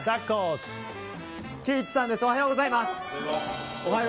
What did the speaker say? おはようございます。